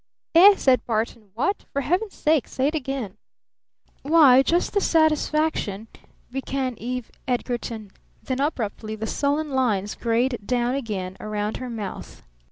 "Eh?" said Barton. "What? For Heaven's sake say it again!" "Why just the satisfaction " began Eve Edgarton. Then abruptly the sullen lines grayed down again around her mouth.